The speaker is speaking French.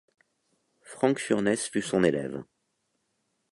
Frank Furness fut son élève.